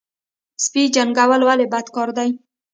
سپي جنګول ولې بد کار دی؟